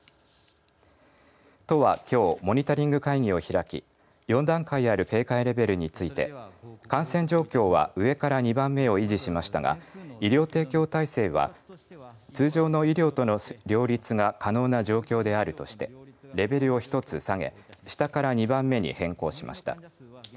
都は、きょうモニタリング会議を開き４段階ある警戒レベルについて感染状況は上から２番目を維持しましたが医療提供体制は通常の医療との両立が可能な状況であるとしてレベルを１つ下げ下から２番目に変更しました。